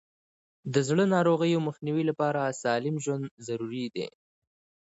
د زړه ناروغیو مخنیوي لپاره سالم ژوند ضروري دی.